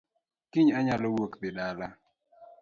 Kiny anyalo wuok dhi dala